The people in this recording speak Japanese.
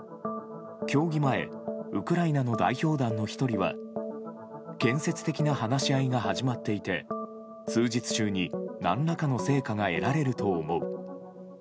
協議前ウクライナの代表団の１人は建設的な話し合いが始まっていて数日中に何らかの成果が得られると思う。